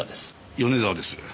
米沢です。